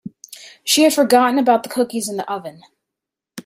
She had forgotten about the cookies in the oven.